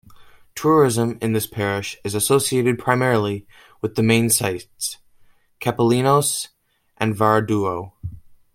Tourism in this parish is associated primarily with the main sites: Capelinhos and Varadouro.